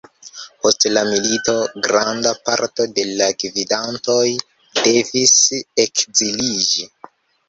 Post la milito granda parto de la gvidantoj devis ekziliĝi.